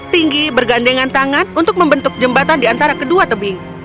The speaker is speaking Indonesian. tinggi bergandengan tangan untuk membentuk jembatan di antara kedua tebing